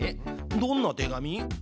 どんな手紙？